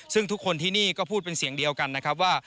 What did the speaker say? ซึ่งทุกคนที่นี่ก็พูดเป็นเสียงเดียวกันนะครับว่า